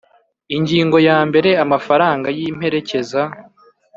Ingingo ya mbere Amafaranga y imperekeza